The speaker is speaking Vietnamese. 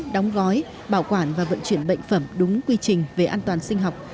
đóng gói bảo quản và vận chuyển bệnh phẩm đúng quy trình về an toàn sinh học